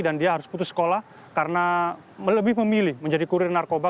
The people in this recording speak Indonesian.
dan dia harus putus sekolah karena lebih memilih menjadi kurir narkoba